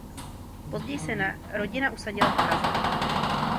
Později se rodina usadila v Praze.